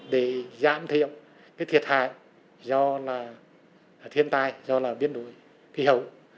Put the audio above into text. để giảm thiểu cái thiệt hại do là thiên tai do là biến đổi khí hậu